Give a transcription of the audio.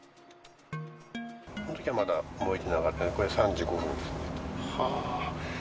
このときはまだ燃えてなかった、これ３時５分。